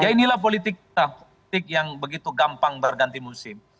ya inilah politik yang begitu gampang berganti musim